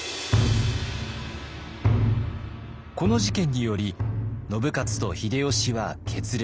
この事件により信雄と秀吉は決裂。